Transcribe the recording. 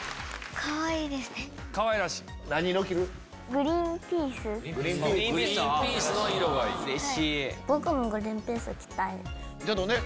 グリーンピースの色がいい。